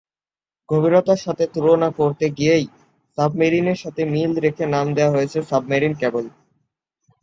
গভীরতার সাথে তুলনা করতে গিয়েই সাবমেরিনের সাথে মিল রেখে নাম দেয়া হয়েছে সাবমেরিন ক্যাবল।